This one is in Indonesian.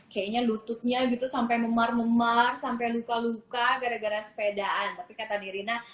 kayaknya lututnya gitu sampai memar memar sampai luka luka gara gara sepedaan tapi kata nirina